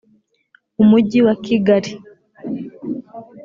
umujyi wa kigali